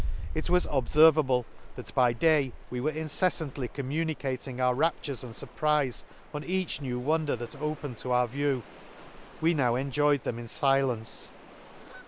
— It was obferva ble, that by day we were inceffantly com municating our raptures and furprife on each new wonder that opened to our vie\V v ,— we now enjoyed them in filence.